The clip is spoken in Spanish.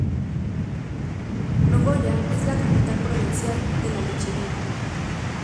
Nogoyá es la "Capital provincial de la lechería".